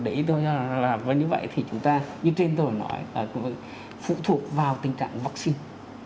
đấy thôi và như vậy thì chúng ta như trên tôi đã nói phụ thuộc vào tình trạng vaccine